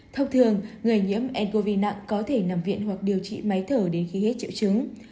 thông thường người nhiễm ncov nặng có thể nằm viện hoặc điều trị máy thở đến khi hết triệu chứng